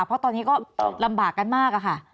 เพราะตอนนี้ก็ลำบากกันมากอะค่ะ